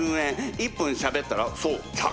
１分しゃべったらそう１００円。